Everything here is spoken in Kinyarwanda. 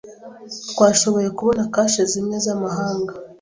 Twashoboye kubona kashe zimwe zamahanga.